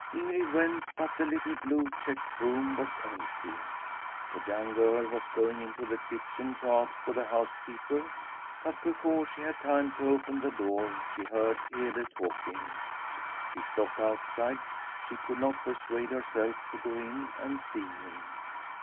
Ingrid went, but the little blue checked room was empty. The young girl was going into the kitchen to ask for the housekeeper, but before she had time to open the door she heard Hede talking. She stopped outside; she could not persuade herself to go in and see him.